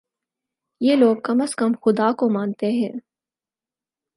یہ لوگ کم از کم خدا کو مانتے ہیں۔